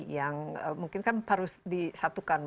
yang mungkin kan harus disatukan